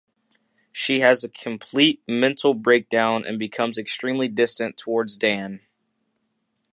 She has a complete mental breakdown and becomes extremely distant toward Dan.